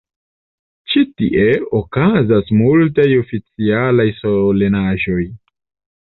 Ĉi tie okazas multaj oficialaj solenaĵoj.